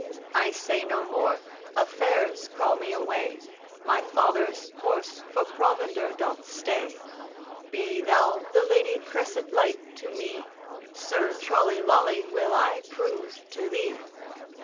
I say no more, affairs call me away, My father's horse for provender doth stay. Be thou the Lady Cressetlight to me. Sir Trolly Lolly will I prove to thee.